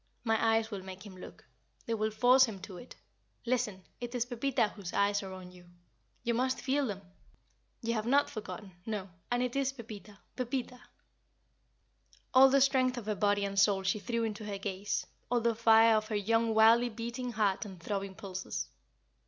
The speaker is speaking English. My eyes will make him look. They will force him to it. Listen! it is Pepita whose eyes are on you. You must feel them. You have not forgotten. No. And it is Pepita Pepita!" All the strength of her body and soul she threw into her gaze all the fire of her young wildly beating heart and throbbing pulses.